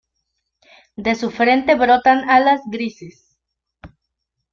De su frente brotan alas grises.